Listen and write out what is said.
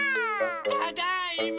ただいま。